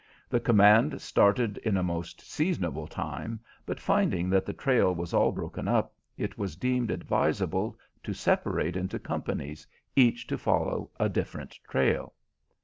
The command started in a most seasonable time, but finding that the trail was all broken up, it was deemed advisable to separate into companies, each to follow a different trail.